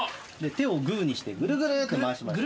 手をグーにしてぐるぐるって回してもらって。